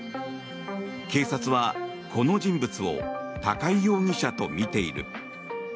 警察は、この人物を高井容疑者とみている。